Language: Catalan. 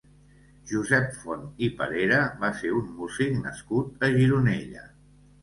Josep Font i Parera va ser un músic nascut a Gironella.